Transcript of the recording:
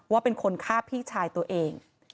ว่าเป็นคนฆ่าพี่ชายตัวเอง